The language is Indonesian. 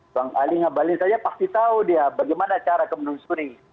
bang ali ngabalin saja pasti tahu dia bagaimana cara kemenlusuri